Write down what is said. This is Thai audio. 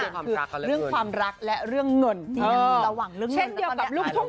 คือเรื่องความรักและเรื่องเงินนญี่ยังมีระหว่างเรื่องเงิน